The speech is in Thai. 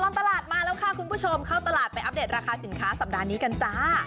ตลาดมาแล้วค่ะคุณผู้ชมเข้าตลาดไปอัปเดตราคาสินค้าสัปดาห์นี้กันจ้า